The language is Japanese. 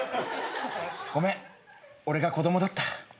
ごめん俺が子供だった。